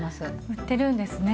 売ってるんですね。